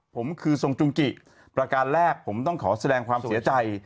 ผมคือทรงจุงกิประการแรกผมต้องขอแสดงความเสียใจ